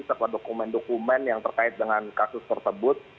serta dokumen dokumen yang terkait dengan kasus tersebut